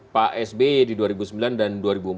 pak sby di dua ribu sembilan dan dua ribu empat belas